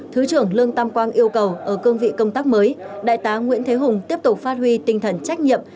thứ trưởng lương tam quang yêu cầu ở cương vị công tác mới đại tá nguyễn thế hùng tiếp tục phát huy tinh thần trách nhiệm